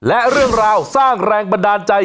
และเรื่องราวสร้างแรงบันดาลใจ